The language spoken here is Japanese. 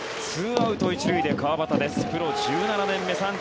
２アウト１塁で川端です。